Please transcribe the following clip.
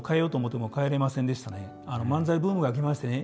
漫才ブームが来ましてね